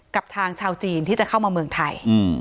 กับทางชาวจีนที่จะเข้ามาเมืองไทย